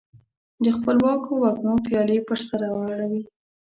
د خپلواکو وږمو پیالي پر سر اړوي